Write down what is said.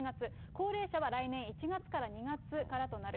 高齢者は来年１月から２月からとなる。